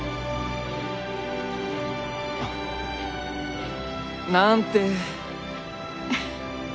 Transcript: あっなーんて。